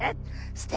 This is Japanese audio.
すて！